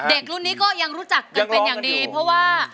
เด็กรุ่นนี้ก็ยังรู้จักกันเป็นอย่างดีเพราะว่า